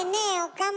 岡村。